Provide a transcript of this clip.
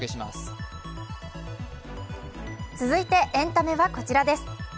続いてエンタメはこちらです。